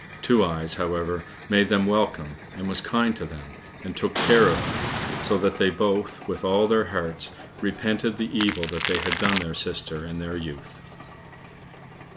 Two eyes, however, made them welcome, and was kind to them, and took care of them, so that they both with all their hearts repented the evil that they had done their sister in their youth.